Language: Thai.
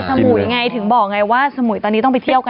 สมุยไงถึงบอกไงว่าสมุยตอนนี้ต้องไปเที่ยวกัน